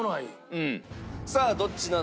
さあ「どっちなの？